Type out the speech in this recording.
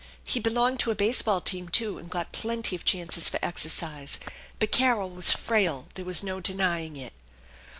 He belonged to a base ball team, too, and got plenty of chances for exercise; but Carol was frail, there was no denying i'v.